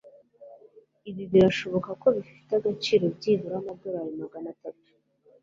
Ibi birashoboka ko bifite agaciro byibura amadorari magana atatu.